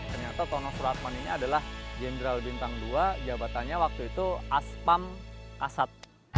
ternyata tono suratman ini adalah jenderal bintang dua jabatannya waktu itu aspam asad